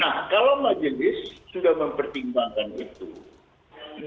nah kalau majelis sudah mempertimbangkan itu